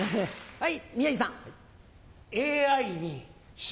はい。